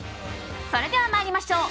それでは参りましょう。